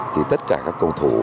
thì tất cả các cầu thủ